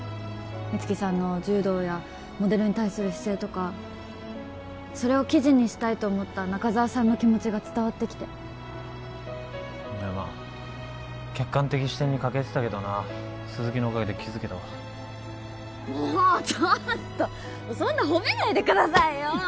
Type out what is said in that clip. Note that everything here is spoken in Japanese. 光希さんの柔道やモデルに対する姿勢とかそれを記事にしたいと思った中沢さんの気持ちが伝わってきていやまあ客観的視点に欠けてたけどな鈴木のおかげで気づけたわもうちょっとそんな褒めないでくださいよ！